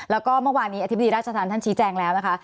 แล้วก็เมื่อวานนี้อธิบดีราชธรรมท่านชี้แจงแล้วนะคะ